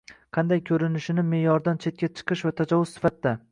qanday ko‘rinishini - me’yordan chetga chiqish va tajovuz sifatida